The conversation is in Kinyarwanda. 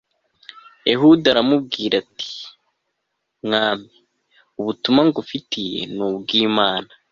ehudi aramubwira ati mwami, ubutumwa ngufitiye ni ubw'imana